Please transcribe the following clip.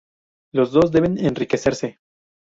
Los dos deben enriquecerse.